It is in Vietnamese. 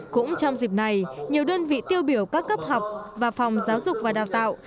cũng trong dịp này nhiều đơn vị tiêu biểu các cấp học và phòng giáo dục và đào tạo